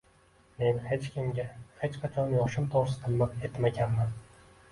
Men hech kimga hech qachon yoshim to’g’risida miq etmaganman.